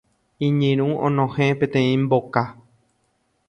Iñirũ onohẽ peteĩ mboka